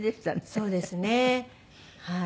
そうですねはい。